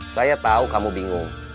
saya tahu kamu bingung